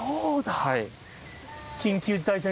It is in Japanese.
はい。